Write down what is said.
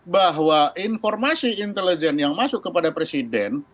bahwa informasi intelijen yang masuk kepada presiden